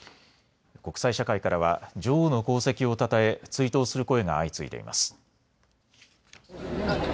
国際社会からは女王の功績をたたえ追悼する声が相次いでいます。